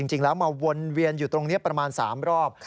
จริงแล้วมาวนเวียนอยู่ตรงนี้ประมาณ๓รอบ